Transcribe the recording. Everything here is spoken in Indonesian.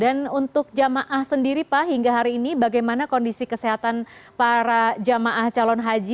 untuk jamaah sendiri pak hingga hari ini bagaimana kondisi kesehatan para jemaah calon haji